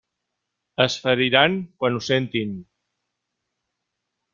Es feriran quan ho sentin.